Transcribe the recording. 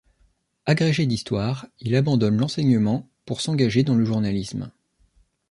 Agrégé d'histoire, il abandonne l'enseignement pour s'engager dans le journalisme.